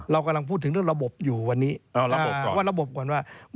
เรากำลังพูดถึงเรื่องระบบอยู่วันนี้ว่าระบบก่อน